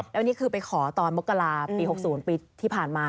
แล้วนี่คือไปขอตอนมกราปี๖๐ปีที่ผ่านมา